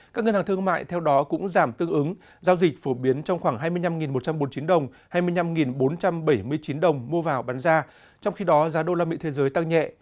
các ngân hàng thương mại theo đó cũng giảm tương ứng giao dịch phổ biến trong khoảng hai mươi năm một trăm bốn mươi chín đồng hai mươi năm bốn trăm bảy mươi chín đồng mua vào bán ra trong khi đó giá đô la mỹ thế giới tăng nhẹ